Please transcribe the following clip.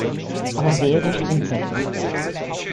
Aber wehe, der Strom fällt aus.